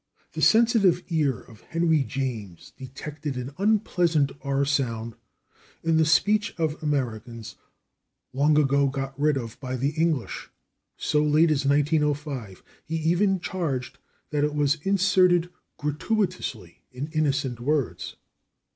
The sensitive ear of Henry James detected an unpleasant /r/ sound in the speech of Americans, long ago got rid of by the English, so late as 1905; he even charged that it was inserted gratuitously in innocent words.